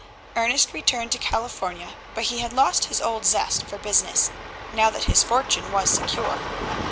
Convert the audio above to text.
Ernest returned to California, but he had lost his old zest for business, now that his fortune was secure.